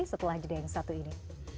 setelah jeda yang satu ini